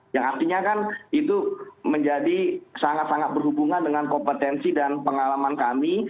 yang artinya kan itu menjadi sangat sangat berhubungan dengan kompetensi dan pengalaman kami